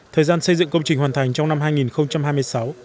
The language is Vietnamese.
thời gian xây dựng công trình hoàn thành trong năm hai nghìn hai mươi sáu